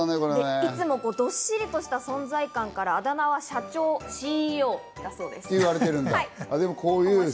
どっしろとした存在感から、あだ名は、社長、ＣＥＯだそうです。